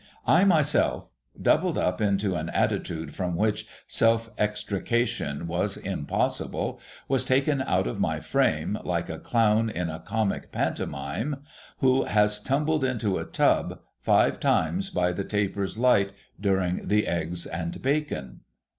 I myself, doubled up into an attitude from which self extrication was impossible, was taken out of my frame, like a clown in a comic pantomime who has tumbled into a tub, five times by the taper's light during the eggs and bacon.